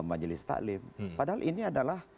majelis taklim padahal ini adalah